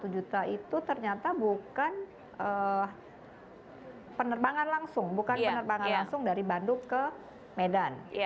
satu juta itu ternyata bukan penerbangan langsung bukan penerbangan langsung dari bandung ke medan